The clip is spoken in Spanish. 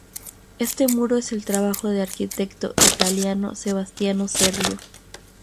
Este muro es el trabajo de arquitecto italiano Sebastiano Serlio.